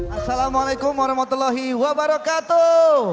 assalamualaikum warahmatullahi wabarakatuh